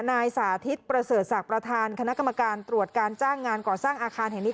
นายสาธิตประเสริฐศักดิ์ประธานคณะกรรมการตรวจการจ้างงานก่อสร้างอาคารแห่งนี้